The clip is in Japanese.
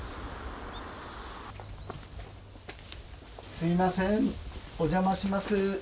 すいませんおじゃまします。